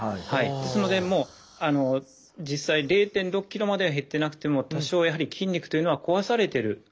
ですので実際０．６ｋｇまでは減ってなくても多少やはり筋肉というのは壊されてる。